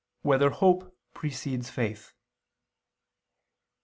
7] Whether Hope Precedes Faith?